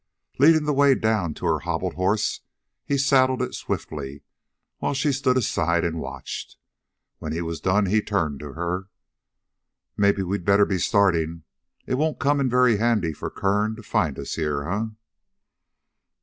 Leading the way down to her hobbled horse he saddled it swiftly, while she stood aside and watched. When he was done he turned to her. "Maybe we better be starting. It wouldn't come in very handy for Kern to find us here, eh?"